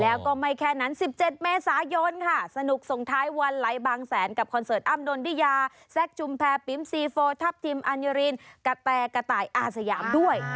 แล้วก็ไม่แค่นั้น๑๗เมษายนค่ะสนุกส่งท้ายวันไหลบางแสนกับคอนเสิร์ตอ้ำนนทิยาแซคจุมแพรปิ๊มซีโฟทัพทิมอัญญารินกะแตกระตายอาสยามด้วย